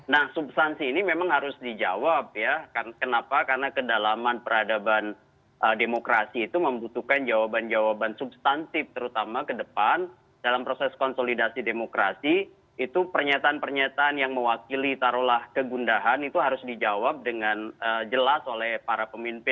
nah substansi ini memang harus dijawab ya kenapa karena kedalaman peradaban demokrasi itu membutuhkan jawaban jawaban substantif terutama ke depan dalam proses konsolidasi demokrasi itu pernyataan pernyataan yang mewakili taruhlah kegundahan itu harus dijawab dengan jelas oleh para pemimpin